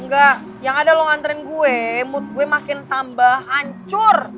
enggak yang ada lo nganterin gue mood gue makin tambah hancur